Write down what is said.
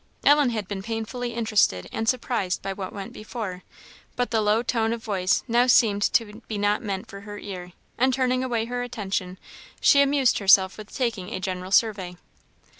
Ellen had been painfully interested and surprised by what went before, but the low tone of voice now seemed to be not meant for her ear, and turning away her attention, she amused herself with taking a general survey.